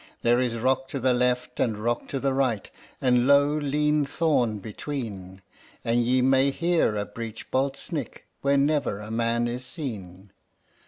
There is rock to the left, and rock to the right, and low lean thorn between, And ye may hear a breech bolt snick where never a man is seen."